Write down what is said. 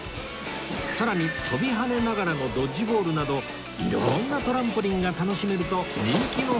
さらに飛び跳ねながらのドッジボールなど色んなトランポリンが楽しめると人気のスポットなんです